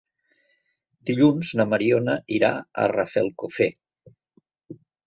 Dilluns na Mariona irà a Rafelcofer.